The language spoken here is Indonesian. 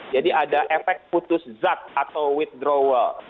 jadi ada efek putus zat atau withdrawal